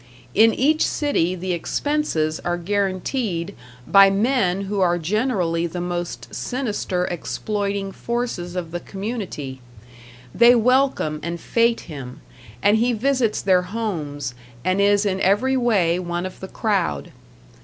In each city the expenses are guaranteed by men who are generally the most sinister exploiting forces of the community; they welcome and fete him, and he visits their homes, and is in every way one of the crowd.